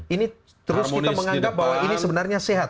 ini terus kita menganggap bahwa ini sebenarnya sehat